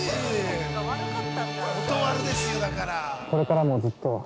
◆これからもずっと。